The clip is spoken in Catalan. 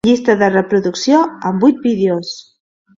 Llista de reproducció amb vuit vídeos.